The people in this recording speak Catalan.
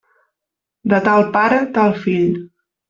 De tal pare, tal fill.